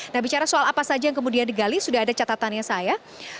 nah bicara soal apa saja yang kemudian digali sudah ada catatannya saya